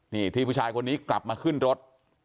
นี่ที่ผู้ชายคนนี้กลับมาขึ้นรถ